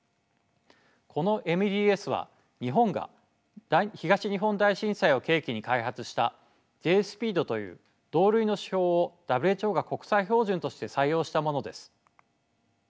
このＭＤＳは日本が東日本大震災を契機に開発したＪ−ＳＰＥＥＤという同類の手法をＷＨＯが国際標準として採用したものです。